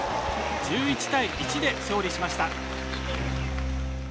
１１対１で勝利しました。